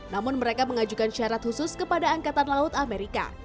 namun mereka mengajukan syarat khusus kepada angkatan laut amerika